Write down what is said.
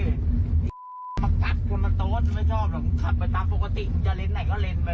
มันมักกัดคุณมาโต๊ะไม่ชอบมันขับไปตามปกติจะเล่นไหนก็เล่นไปละ